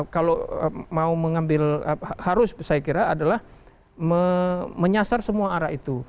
kalau mau mengambil harus saya kira adalah menyasar semua arah itu